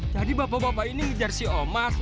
jadi bapak bapak ini ngejar si omas